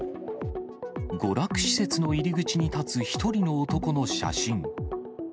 娯楽施設の入り口に立つ１人の男の写真。